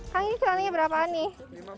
kami ini celananya berapaan nih